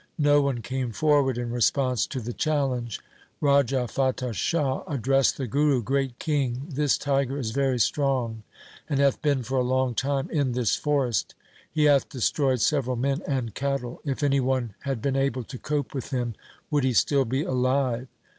No one came forward in response to the challenge. Raja Fatah Shah addressed the Guru :' Great king, this tiger is very strong and hath been for a long time in this forest. He hath destroyed several men and cattle. If any one had been able to cope with him, would he still be alive